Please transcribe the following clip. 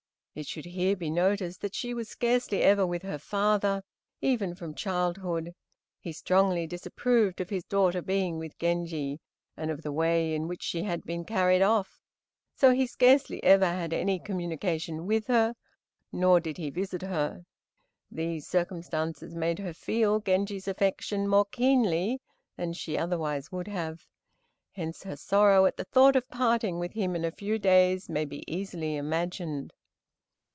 It should here be noticed that she was scarcely ever with her father, even from childhood. He strongly disapproved of his daughter being with Genji, and of the way in which she had been carried off, so he scarcely ever had any communication with her, or did he visit her. These circumstances made her feel Genji's affection more keenly than she otherwise would have; hence her sorrow at the thought of parting with him in a few days may be easily imagined.